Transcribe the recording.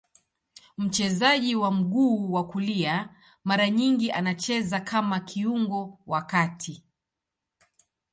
Mchezaji wa mguu ya kulia, mara nyingi anacheza kama kiungo wa kati.